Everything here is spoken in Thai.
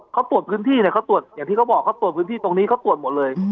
เขาตรวจพื้นที่เนี่ยเขาตรวจอย่างที่เขาบอกเขาตรวจพื้นที่ตรงนี้เขาตรวจหมดเลย